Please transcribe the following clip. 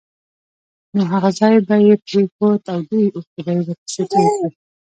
نو هغه ځای به یې پرېښود او ډېرې اوښکې به یې ورپسې تویې کړې.